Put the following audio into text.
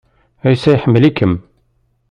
Ɛisa iḥemmel-ikem.